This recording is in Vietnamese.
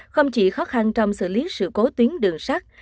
không chỉ khó khăn trong xử lý sự cố tuyến đường sắt